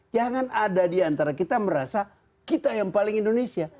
jangan ada diantara kita merasa kita yang paling indonesia